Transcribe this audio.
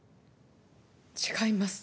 違います。